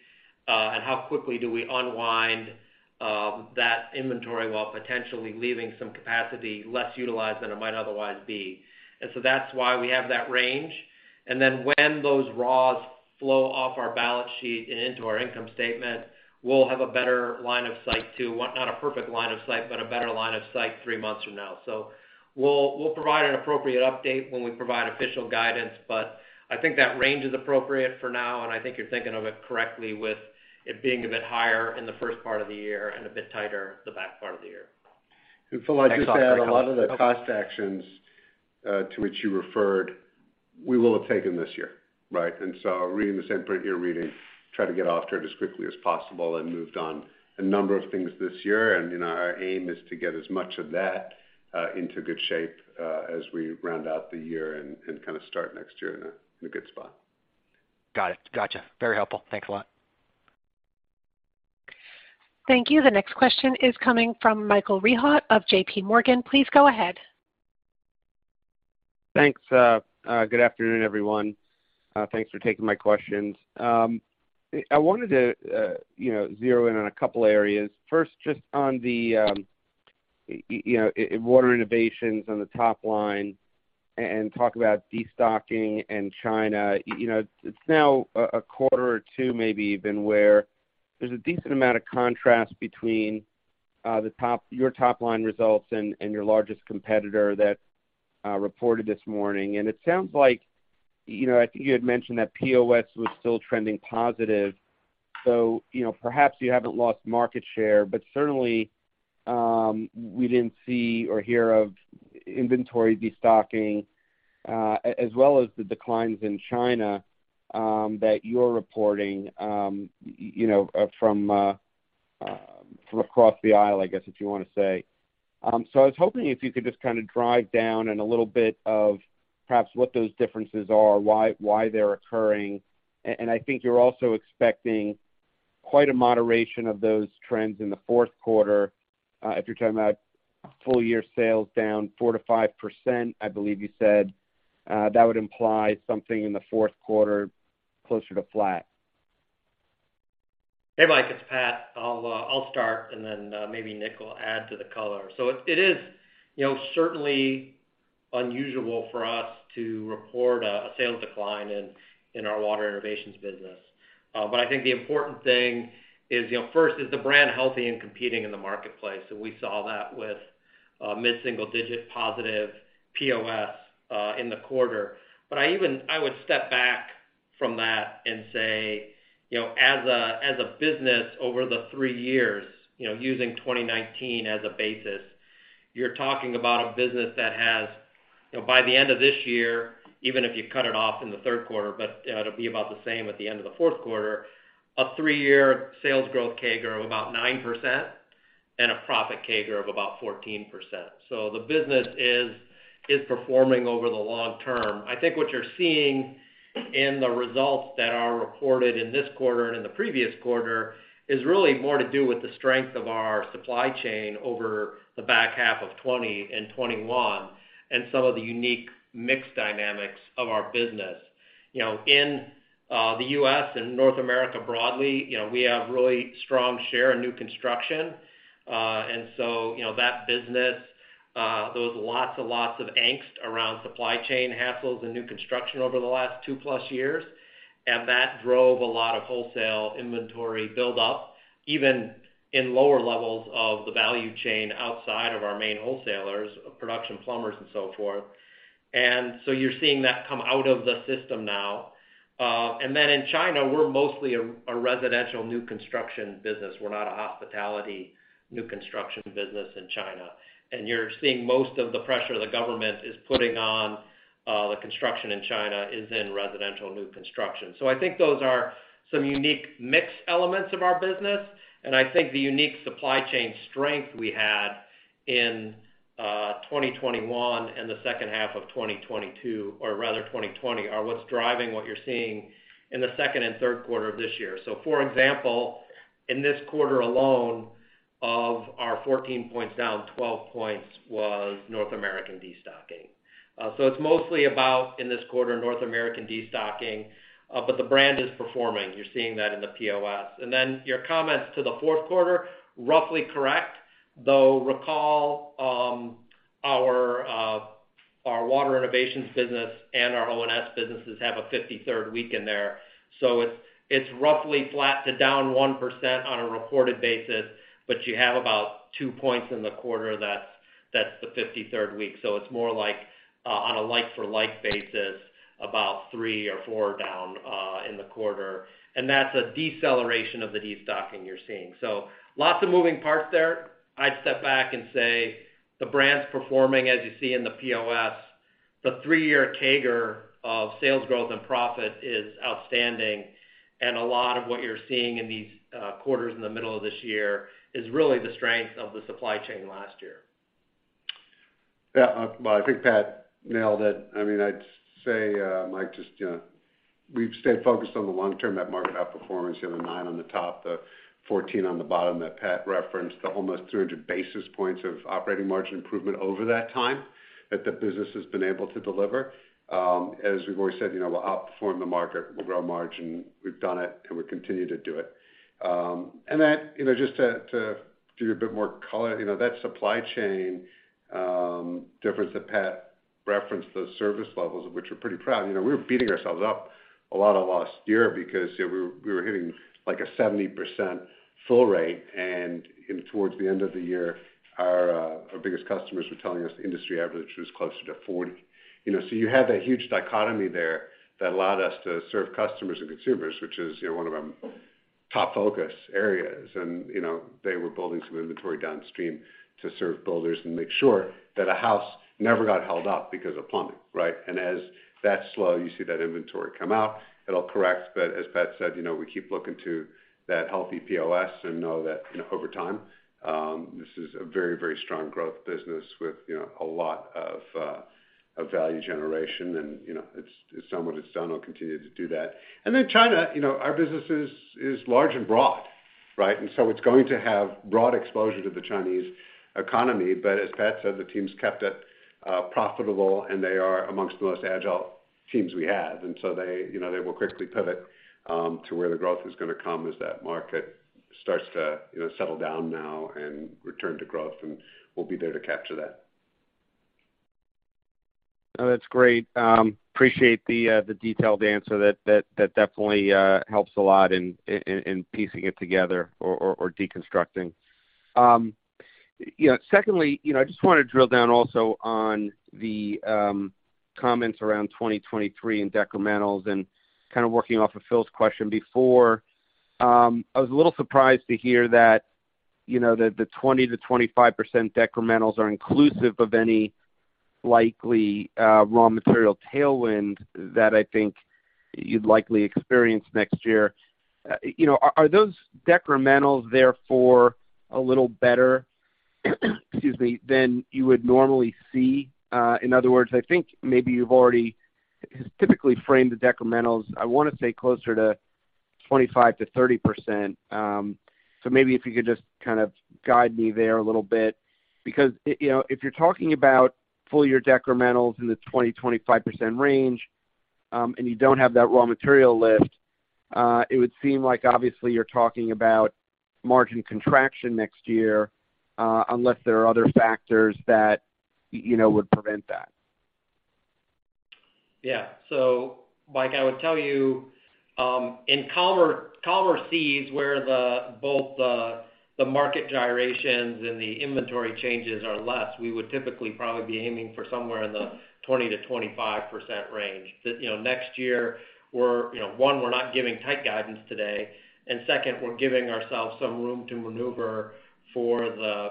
how quickly do we unwind that inventory while potentially leaving some capacity less utilized than it might otherwise be. That's why we have that range. When those raws flow off our balance sheet and into our income statement, we'll have a better line of sight to what, not a perfect line of sight, but a better line of sight three months from now. We'll provide an appropriate update when we provide official guidance, but I think that range is appropriate for now, and I think you're thinking of it correctly, with it being a bit higher in the first part of the year and a bit tighter the back part of the year. Philip, I'd just add a lot of the cost actions to which you referred, we will have taken this year, right? Reading the same print you're reading, try to get after it as quickly as possible and moved on a number of things this year. You know, our aim is to get as much of that into good shape as we round out the year and kind of start next year in a good spot. Got it. Gotcha. Very helpful. Thanks a lot. Thank you. The next question is coming from Michael Rehaut of JPMorgan. Please go ahead. Thanks, good afternoon, everyone. Thanks for taking my questions. I wanted to, you know, zero in on a couple areas. First, just on the, you know, Water Innovations on the top line and talk about destocking and China. You know, it's now a quarter or two, maybe even where there's a decent amount of contrast between your top line results and your largest competitor that reported this morning. It sounds like, you know, I think you had mentioned that POS was still trending positive, so, you know, perhaps you haven't lost market share. Certainly, we didn't see or hear of inventory destocking, as well as the declines in China, that you're reporting, you know, from across the aisle, I guess, if you wanna say. I was hoping if you could just kind of drill down into a little bit of perhaps what those differences are, why they're occurring. I think you're also expecting quite a moderation of those trends in the fourth quarter, if you're talking about full-year sales down 4%-5%, I believe you said, that would imply something in the fourth quarter closer to flat. Hey, Michael, it's Pat. I'll start, and then maybe Nick will add to the color. It is, you know, certainly unusual for us to report a sales decline in our Water Innovations business. I think the important thing is, you know, first is the brand healthy and competing in the marketplace? We saw that with mid-single digit positive POS in the quarter. I would step back from that and say, you know, as a business over the three years, you know, using 2019 as a basis, you're talking about a business that has, you know, by the end of this year, even if you cut it off in the third quarter, but it'll be about the same at the end of the fourth quarter, a three-year sales growth CAGR of about 9% and a profit CAGR of about 14%. The business is performing over the long term. I think what you're seeing in the results that are reported in this quarter and in the previous quarter is really more to do with the strength of our supply chain over the back half of 2020 and 2021 and some of the unique mix dynamics of our business. You know, in the U.S. and North America broadly, you know, we have really strong share in new construction. You know, that business, there was lots and lots of angst around supply chain hassles and new construction over the last two-plus years, and that drove a lot of wholesale inventory build up, even in lower levels of the value chain outside of our main wholesalers, production plumbers and so forth. You're seeing that come out of the system now. In China, we're mostly a residential new construction business. We're not a hospitality new construction business in China. You're seeing most of the pressure the government is putting on, the construction in China is in residential new construction. I think those are some unique mix elements of our business, and I think the unique supply chain strength we had in 2021 and the second half of 2022, or rather 2020, are what's driving what you're seeing in the second and third quarter of this year. For example, in this quarter alone, of our 14 points down, 12 points was North American destocking. It's mostly about, in this quarter, North American destocking, but the brand is performing. You're seeing that in the POS. And then your comments to the fourth quarter, roughly correct, though recall, our Water Innovations business and our O&S businesses have a 53rd week in there. It's roughly flat to down 1% on a reported basis, but you have about 2 points in the quarter that's the 53rd week. It's more like, on a like for like basis, about three or four down in the quarter. That's a deceleration of the destocking you're seeing. Lots of moving parts there. I'd step back and say the brand's performing as you see in the POS. The three-year CAGR of sales growth and profit is outstanding, and a lot of what you're seeing in these quarters in the middle of this year is really the strength of the supply chain last year. Yeah. Well, I think Pat nailed it. I mean, I'd say, Michael, just, you know, we've stayed focused on the long term, that market outperformance, you know, the nine on the top, the 14 on the bottom that Pat referenced, the almost 300 basis points of operating margin improvement over that time that the business has been able to deliver. As we've always said, you know, we'll outperform the market, we'll grow margin. We've done it, and we continue to do it. And that, you know, just to give you a bit more color, you know, that supply chain difference that Pat referenced, those service levels, which we're pretty proud. You know, we were beating ourselves up a lot of last year because, you know, we were hitting like a 70% fill rate. In toward the end of the year, our biggest customers were telling us the industry average was closer to 40. You know, so you had that huge dichotomy there that allowed us to serve customers and consumers, which is, you know, one of our top focus areas. You know, they were building some inventory downstream to serve builders and make sure that a house never got held up because of plumbing, right? As that's slow, you see that inventory come out, it'll correct. But as Pat said, you know, we keep looking to that healthy POS and know that, you know, over time, this is a very, very strong growth business with, you know, a lot of value generation. You know, it's somewhat done, will continue to do that. Then China, you know, our business is large and broad, right? It's going to have broad exposure to the Chinese economy. As Pat said, the team's kept it profitable, and they are amongst the most agile teams we have. They, you know, they will quickly pivot to where the growth is gonna come as that market starts to, you know, settle down now and return to growth, and we'll be there to capture that. No, that's great. Appreciate the detailed answer that definitely helps a lot in piecing it together or deconstructing. You know, secondly, you know, I just wanna drill down also on the comments around 2023 in decrementals and kind of working off of Philip question before. I was a little surprised to hear that, you know, the 20%-25% decrementals are inclusive of any likely raw material tailwind that I think you'd likely experience next year. You know, are those decrementals therefore a little better, excuse me, than you would normally see? In other words, I think maybe you've already typically framed the decrementals, I wanna say closer to 25%-30%. Maybe if you could just kind of guide me there a little bit, because, you know, if you're talking about full year decrementals in the 20%-25% range, and you don't have that raw material lift, it would seem like obviously you're talking about margin contraction next year, unless there are other factors that, you know, would prevent that. Yeah. Michael, I would tell you in calmer seas where both the market gyrations and the inventory changes are less, we would typically probably be aiming for somewhere in the 20%-25% range. You know, next year we're, you know, one, we're not giving tight guidance today, and second, we're giving ourselves some room to maneuver for the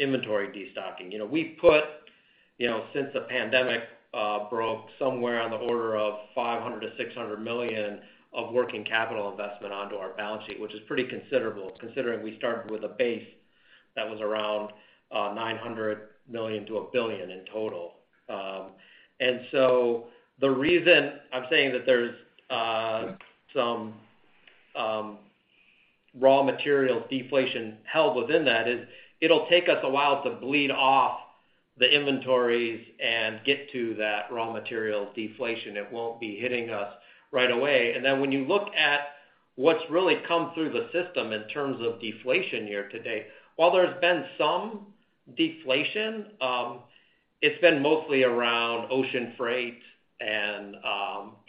inventory destocking. You know, we put, you know, since the pandemic broke somewhere on the order of $500 million-$600 million of working capital investment onto our balance sheet, which is pretty considerable considering we started with a base that was around $900 million-$1 billion in total. The reason I'm saying that there's some raw materials deflation held within that is it'll take us a while to bleed off the inventories and get to that raw materials deflation. It won't be hitting us right away. When you look at what's really come through the system in terms of deflation year to date, while there's been some deflation, it's been mostly around ocean freight and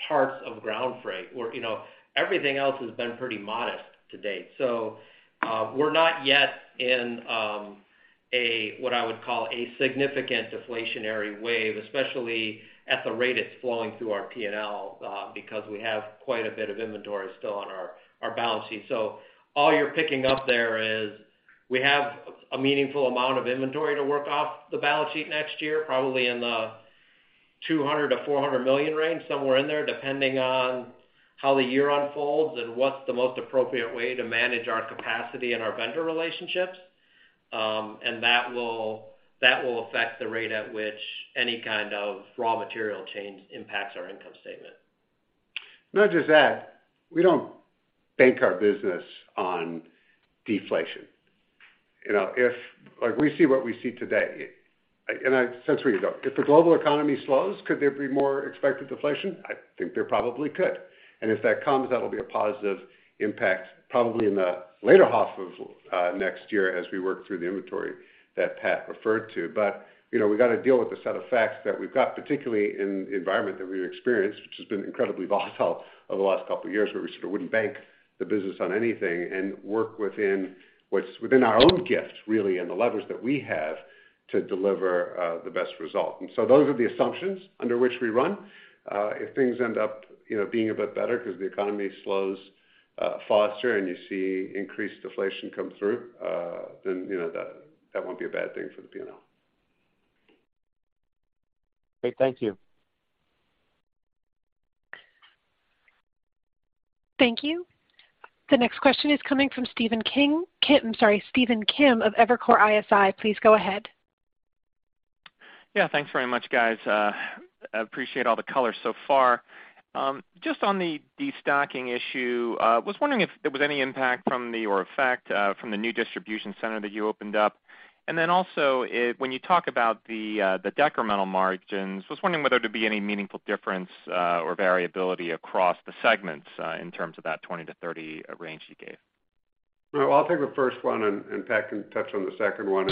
parts of ground freight where, you know, everything else has been pretty modest to date. We're not yet in a what I would call a significant deflationary wave, especially at the rate it's flowing through our P&L, because we have quite a bit of inventory still on our balance sheet. All you're picking up there is we have a meaningful amount of inventory to work off the balance sheet next year, probably in the $200 million-$400 million range, somewhere in there, depending on how the year unfolds and what's the most appropriate way to manage our capacity and our vendor relationships. That will affect the rate at which any kind of raw material change impacts our income statement. Not just that, we don't bank our business on deflation. You know, if, like we see what we see today, and I sense where you're going. If the global economy slows, could there be more expected deflation? I think there probably could. If that comes, that'll be a positive impact probably in the later half of next year as we work through the inventory that Pat referred to. You know, we gotta deal with the set of facts that we've got, particularly in the environment that we've experienced, which has been incredibly volatile over the last couple of years, where we sort of wouldn't bank the business on anything and work within what's within our own gifts really, and the levers that we have to deliver the best result. Those are the assumptions under which we run. If things end up, you know, being a bit better 'cause the economy slows faster and you see increased deflation come through, then you know that won't be a bad thing for the P&L. Great. Thank you. Thank you. The next question is coming from Stephen Kim. Kit, I'm sorry, Stephen Kim of Evercore ISI, please go ahead. Yeah, thanks very much, guys. I appreciate all the color so far. Just on the destocking issue, was wondering if there was any impact from the, or effect, from the new distribution center that you opened up. Then also when you talk about the decremental margins, I was wondering whether there'd be any meaningful difference, or variability across the segments, in terms of that 20%-30% range you gave. No, I'll take the first one, and Pat can touch on the second one.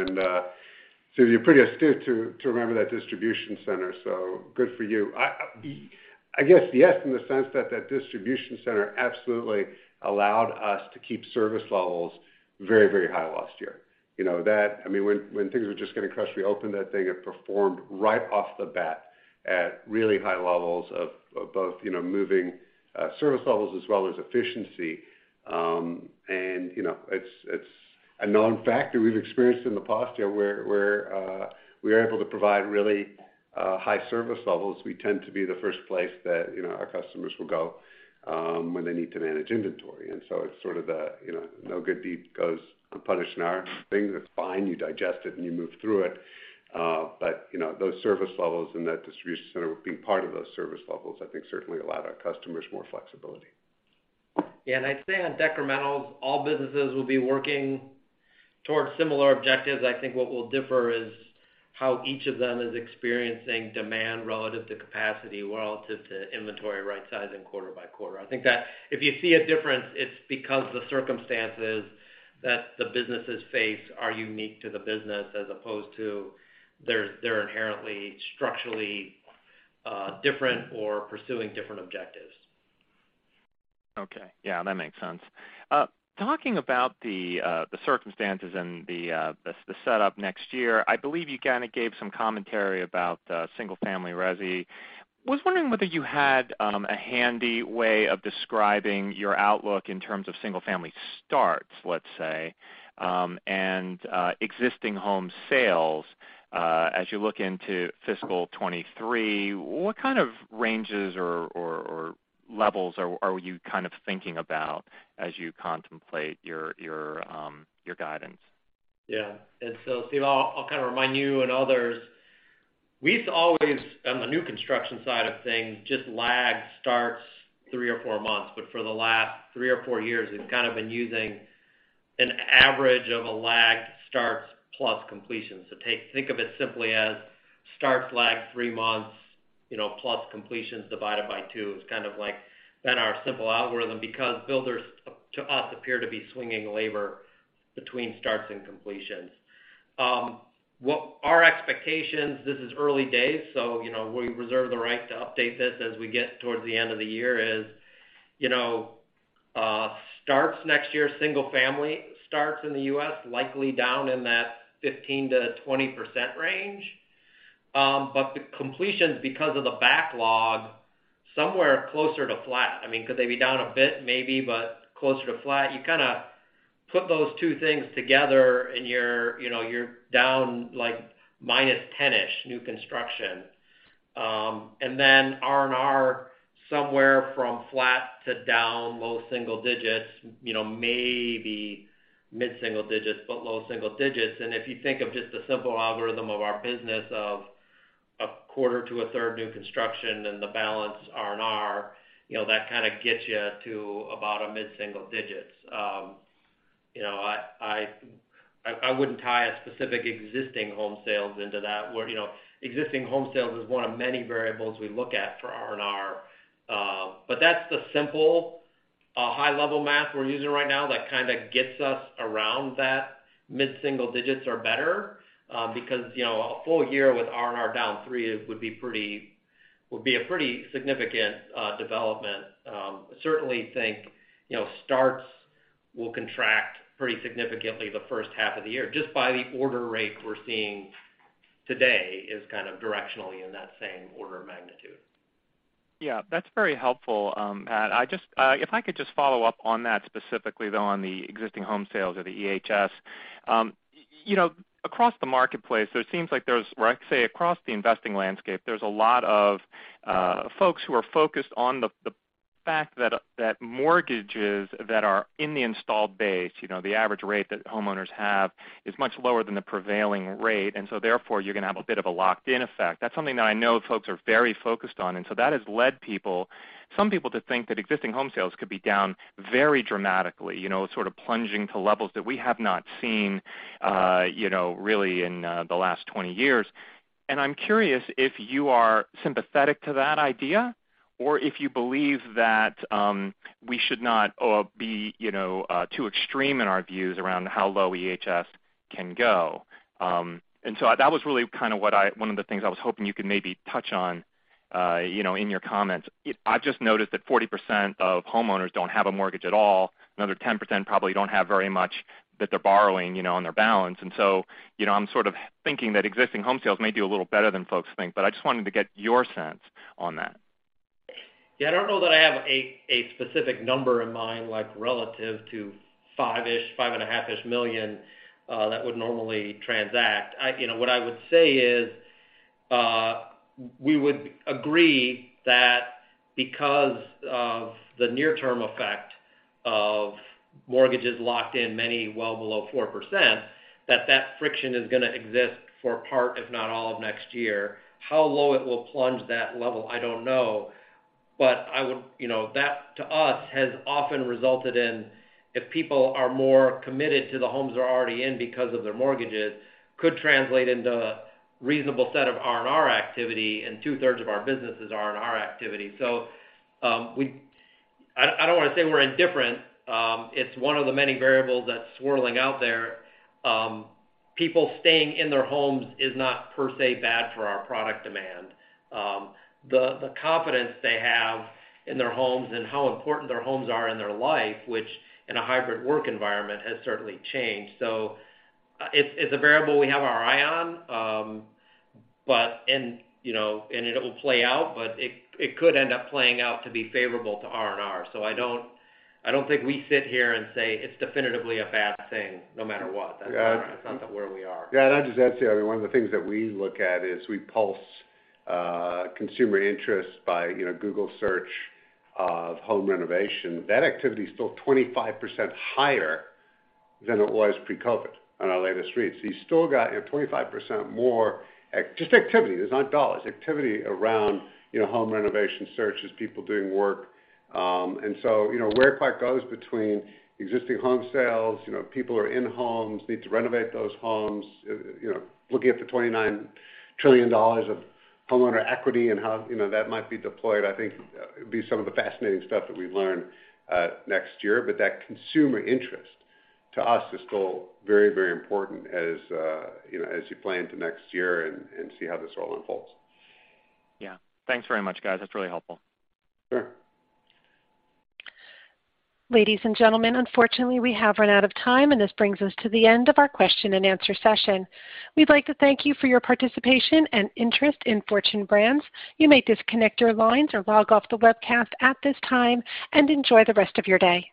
You're pretty astute to remember that distribution center, so good for you. I guess, yes, in the sense that that distribution center absolutely allowed us to keep service levels very high last year. You know, I mean, when things were just getting crushed, we opened that thing. It performed right off the bat at really high levels of both, you know, moving service levels as well as efficiency. You know, it's a known factor we've experienced in the past year where we are able to provide really high service levels. We tend to be the first place that, you know, our customers will go when they need to manage inventory. It's sort of the, you know, no good deed goes unpunished in our thing. That's fine. You digest it, and you move through it. You know, those service levels and that distribution center being part of those service levels I think certainly allowed our customers more flexibility. Yeah. I'd say on decrementals, all businesses will be working towards similar objectives. I think what will differ is how each of them is experiencing demand relative to capacity, relative to inventory right-sizing quarter by quarter. I think that if you see a difference, it's because the circumstances that the businesses face are unique to the business as opposed to they're inherently structurally different or pursuing different objectives. Okay. Yeah, that makes sense. Talking about the circumstances and the set up next year, I believe you kinda gave some commentary about single-family resi. Was wondering whether you had a handy way of describing your outlook in terms of single-family starts, let's say, and existing home sales, as you look into fiscal 2023. What kind of ranges or levels are you kind of thinking about as you contemplate your guidance? Yeah. Steve, I'll kind of remind you and others, we used to always on the new construction side of things just lag starts three or four months. For the last three or four years, we've kind of been using an average of a lagged starts plus completions. Think of it simply as starts lagged three months, you know, plus completions divided by 2. It's kind of like been our simple algorithm because builders to us appear to be swinging labor between starts and completions. What our expectations, this is early days, you know, we reserve the right to update this as we get towards the end of the year, is, you know, starts next year, single family starts in the U.S. likely down in that 15%-20% range. The completions, because of the backlog, somewhere closer to flat. I mean, could they be down a bit? Maybe, but closer to flat. You kind of put those two things together and you're, you know, you're down like minus 10 new construction. And then R&R somewhere from flat to down low single digits, you know, maybe mid-single digits, but low single digits. If you think of just the simple algorithm of our business of a quarter to a third new construction and the balance R&R, you know, that kind of gets you to about a mid-single digits. I wouldn't tie a specific existing home sales into that, where, you know, existing home sales is one of many variables we look at for R&R. That's the simple high-level math we're using right now that kind of gets us around that mid-single digits or better, because, you know, a full year with R&R down 3% would be a pretty significant development. Certainly think, you know, starts will contract pretty significantly the first half of the year just by the order rate we're seeing today is kind of directionally in that same order of magnitude. Yeah, that's very helpful, Pat. If I could just follow up on that specifically, though, on the existing home sales or the EHS. You know, across the marketplace, or I could say across the investing landscape, there's a lot of folks who are focused on the fact that mortgages that are in the installed base, you know, the average rate that homeowners have is much lower than the prevailing rate, and so therefore, you're gonna have a bit of a locked in effect. That's something that I know folks are very focused on, and so that has led people, some people to think that existing home sales could be down very dramatically. You know, sort of plunging to levels that we have not seen, you know, really in the last 20 years. I'm curious if you are sympathetic to that idea or if you believe that we should not be you know too extreme in our views around how low EHS can go. That was really kind of one of the things I was hoping you could maybe touch on you know in your comments. I've just noticed that 40% of homeowners don't have a mortgage at all. Another 10% probably don't have very much that they're borrowing you know on their balance. You know, I'm sort of thinking that existing home sales may do a little better than folks think, but I just wanted to get your sense on that. Yeah, I don't know that I have a specific number in mind, like relative to 5 million, 5.5 million that would normally transact. You know, what I would say is, we would agree that because of the near-term effect of mortgages locked in many well below 4%, that friction is gonna exist for part, if not all, of next year. How low it will plunge that level, I don't know. You know, that to us has often resulted in if people are more committed to the homes they're already in because of their mortgages could translate into reasonable set of R&R activity, and two-thirds of our business is R&R activity. I don't wanna say we're indifferent. It's one of the many variables that's swirling out there. People staying in their homes is not per se bad for our product demand. The confidence they have in their homes and how important their homes are in their life, which in a hybrid work environment has certainly changed. It's a variable we have our eye on. You know, it'll play out, but it could end up playing out to be favorable to R&R. I don't think we sit here and say it's definitively a bad thing no matter what. That's not where we are. Yeah. I'd just add to that, I mean, one of the things that we look at is we pulse consumer interest by, you know, Google search of home renovation. That activity is still 25% higher than it was pre-COVID on our latest reads. You still got your 25% more activity. This is not dollars. Activity around, you know, home renovation searches, people doing work. Where it quite goes between existing home sales, you know, people are in homes, need to renovate those homes, you know, looking at the $29 trillion of homeowner equity and how, you know, that might be deployed, I think it'd be some of the fascinating stuff that we learn next year. That consumer interest to us is still very, very important as, you know, as you plan to next year and see how this all unfolds. Yeah. Thanks very much, guys. That's really helpful. Sure. Ladies and gentlemen, unfortunately, we have run out of time, and this brings us to the end of our question and answer session. We'd like to thank you for your participation and interest in Fortune Brands. You may disconnect your lines or log off the webcast at this time, and enjoy the rest of your day.